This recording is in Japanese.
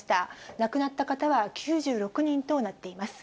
亡くなった方は９６人となっています。